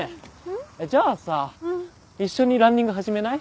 ん？じゃあさ一緒にランニング始めない？